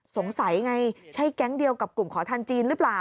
สงสัยไงใช่แก๊งเดียวกับกลุ่มขอทานจีนหรือเปล่า